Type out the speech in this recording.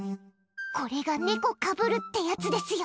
これが猫を被るってやつですよ。